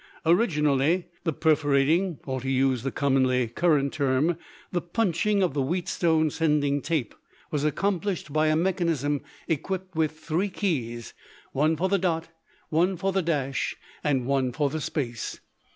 Originally the perforating or, to use the commonly current term, the punching of the Wheatstone sending tape was accomplished by a mechanism equipped with three keys one for the dot, one for the dash, and one for the space.